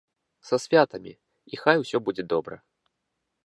Са святамі, і хай усё будзе добра.